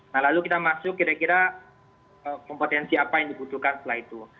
nah lalu kita masuk kira kira kompetensi apa yang dibutuhkan setelah itu